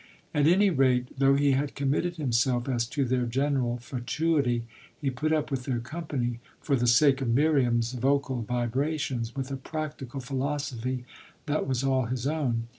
At any rate, though he had committed himself as to their general fatuity he put up with their company, for the sake of Miriam's vocal vibrations, with a practical philosophy that was all his own.